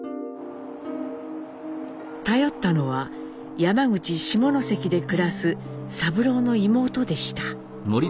頼ったのは山口下関で暮らす三郎の妹でした。